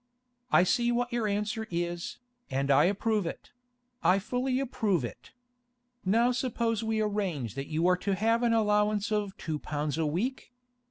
I see what your answer is, and I approve it; I fully approve it. Now suppose we arrange that you are to have an allowance of two pounds a week?